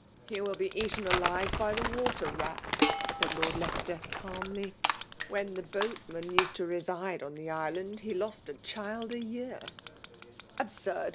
*' He will be eaten alive by the water rats !*' said Lord Leicester, calmly. " When the boatman used to reside on the island, he lost a child a year Absurd!'